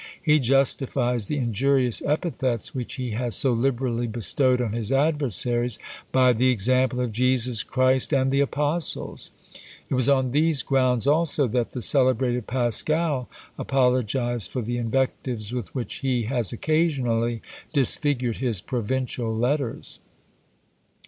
He justifies the injurious epithets which he has so liberally bestowed on his adversaries by the example of Jesus Christ and the apostles! It was on these grounds also that the celebrated Pascal apologised for the invectives with which he has occasionally disfigured his Provincial Letters.